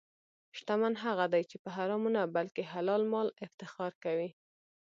شتمن هغه دی چې په حرامو نه، بلکې حلال مال افتخار کوي.